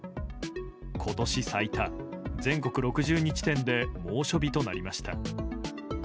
今年最多、全国６２地点で猛暑日となりました。